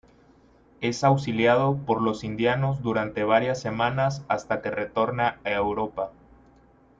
Es auxiliado por los indianos durante varias semanas hasta que retorna a Europa.